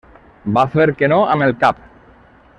Va fer que no amb el cap.